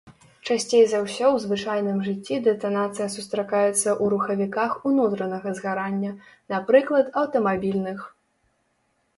Часцей за ўсё ў звычайным жыцці дэтанацыя сустракаецца ў рухавіках унутранага згарання, напрыклад аўтамабільных.